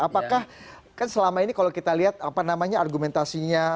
apakah kan selama ini kalau kita lihat apa namanya argumentasinya